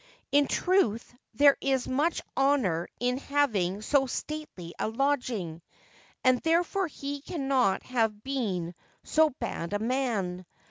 In truth there is much honour in having so stately a lodging, and therefore he cannot have been so bad a man.